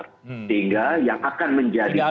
sehingga yang akan menjadi